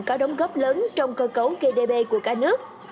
có đóng góp lớn trong cơ cấu gdp của cả nước